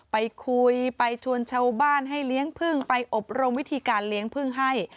ไปคุยไปชวนชาวบ้านให้เลี้ยงพึ่งไปอบรมวิธีการเลี้ยงพึ่งให้